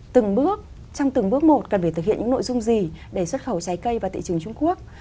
từng bước trong từng bước một cần phải thực hiện những nội dung gì để xuất khẩu trái cây vào thị trường trung quốc